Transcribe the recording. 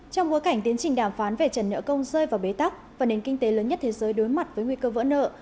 trong bối cảnh tiến trình đàm phán về trần nợ công rơi vào bế tắc và nền kinh tế lớn nhất thế giới đối mặt với nguy cơ vỡ nợ